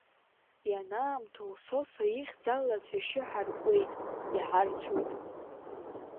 Ианаамҭоу Сосо ихьӡала ацәашьы аҳаркуеит, иҳарцәоит.